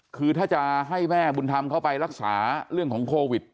คือถ้าจะให้แม่บุญธรรมเข้าไปรักษาเรื่องของโควิด